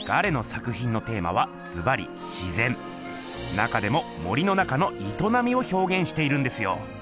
中でも森の中のいとなみをひょうげんしているんですよ。